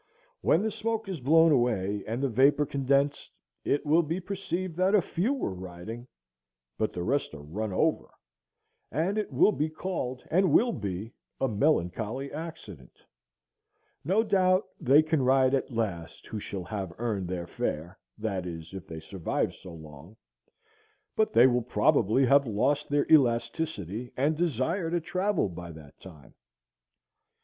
when the smoke is blown away and the vapor condensed, it will be perceived that a few are riding, but the rest are run over,—and it will be called, and will be, "A melancholy accident." No doubt they can ride at last who shall have earned their fare, that is, if they survive so long, but they will probably have lost their elasticity and desire to travel by that time.